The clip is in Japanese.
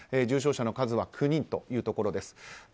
重症者の数は９人というところです。